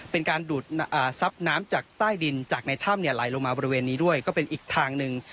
เป็นการดูดซับน้ำจากใต้ดินจากในถ้ำไหลลงมาบริเวณนี้ด้วยก็เป็นอีกทางหนึ่ง